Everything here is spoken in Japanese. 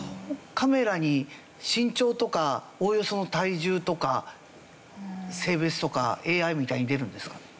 カメラに身長とかおおよその体重とか性別とかＡＩみたいに出るんですかね。